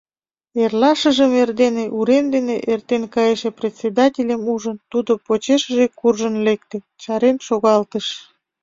Эрлашыжым эрдене, урем дене эртен кайше председательым ужын, тудо почешыже куржын лекте, чарен шогалтыш.